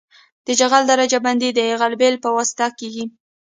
د جغل درجه بندي د غلبیل په واسطه کیږي